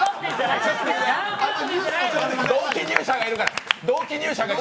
同期入社がいるから。